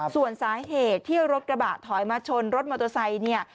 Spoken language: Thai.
ส่วนสาเหตุที่รถกระบะถอยมาชนรถมอเตอร์ไซค์เนี่ย